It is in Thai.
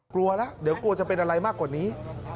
กลัวแล้วเดี๋ยวกลัวจะเป็นอะไรมากกว่านี้